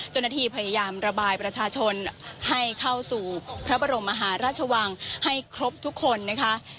เจ้าหน้าที่พยายามระบายประชาชนให้เข้าสู่พระบรมมหาราชวังให้ครบทุกคนนะคะ